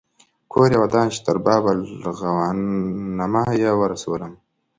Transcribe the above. کور یې ودان چې تر باب الغوانمه یې ورسولم.